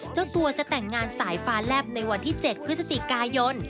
เจ้าตัวจะแต่งงานสายฟ้าแลบในวันที่๗พฤศจิกายน